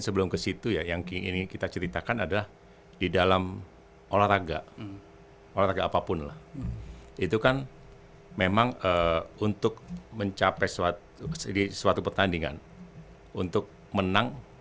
semua orang mempunyai kepentingan